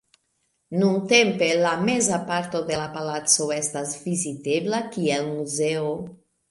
Nuntempe la meza parto de la palaco estas vizitebla kiel muzeo.